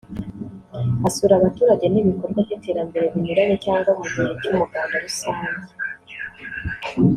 asura abaturage n’ibikorwa by’iterambere binyuranye cyangwa mu gihe cy’Umuganda rusange